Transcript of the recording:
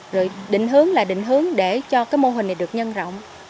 rồi định hướng là định hướng để cho cái mô hình này được nhân rộng